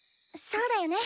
そうだよね。